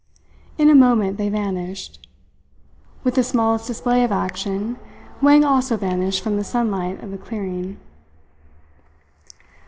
In a moment they vanished. With the smallest display of action, Wang also vanished from the sunlight of the clearing.